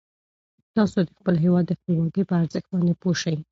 تاسو د خپل هیواد د خپلواکۍ په ارزښت باندې پوه شئ.